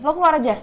lo keluar aja